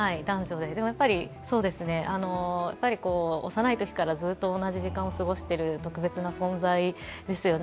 でもやっぱり、幼いときからずっと同じ時間を過ごしている特別な存在ですよね。